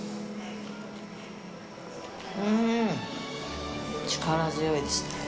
うん、力強いですね。